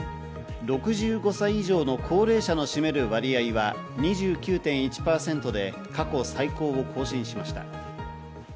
６５歳以上の高齢者の占める割合は２９．１％で過去最高を更新しました。